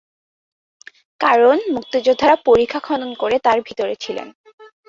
কারণ, মুক্তিযোদ্ধারা পরিখা খনন করে তার ভেতরে ছিলেন।